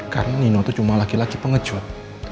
karena nino itu cuma laki laki pengecut